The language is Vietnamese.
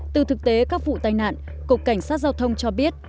từ thực tế các vụ tai nạn cục cảnh sát giao thông cho biết